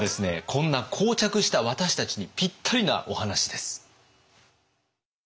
こんな膠着した私たちにぴったりなお話です。